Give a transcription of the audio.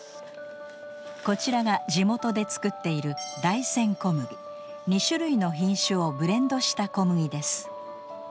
こちらが地元で作っている２種類の品種をブレンドした小麦です。